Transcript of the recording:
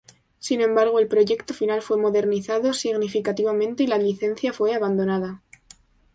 Sin embargo, el proyecto final fue modernizado significativamente y la licencia fue abandonada.